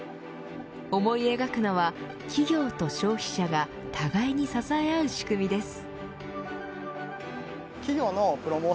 思い描くのは企業と消費者が互いに支え合う仕組みです。